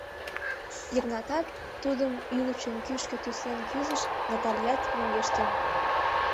Йыгнатат тудым ӱлычын кӱшкӧ тӱслен кӱзыш: Наталият мӧҥгештын.